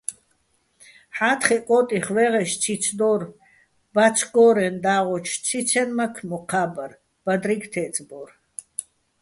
ჰ̦ა́თხეჸ კო́ტიხ ვა́ჲღეშ ციც დო́რ, ბაცგორეჼ და́ღოჩ ციცენმაქ მოჴა́ ბარ, ბადრიგო̆ თე́წბორ.